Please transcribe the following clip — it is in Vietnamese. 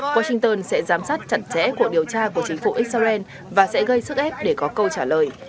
washington sẽ giám sát chặt chẽ cuộc điều tra của chính phủ israel và sẽ gây sức ép để có câu trả lời